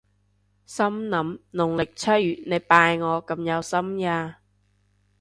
心諗農曆七月你拜我咁有心呀？